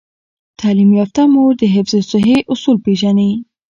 تعلیم یافته مور د حفظ الصحې اصول پیژني۔